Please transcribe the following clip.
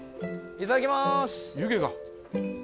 いただきます。